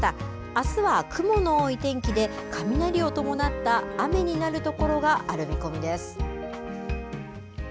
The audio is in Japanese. あすは雲の多い天気で、雷を伴った雨になる所がある見込みです。